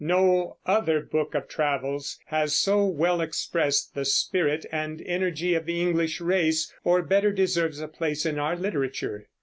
No other book of travels has so well expressed the spirit and energy of the English race, or better deserves a place in our literature.